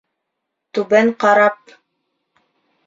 Түбән ҡарап: